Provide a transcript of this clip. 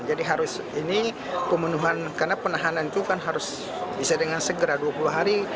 jadi harus ini pemenuhan karena penahanan itu kan harus bisa dengan segera dua puluh hari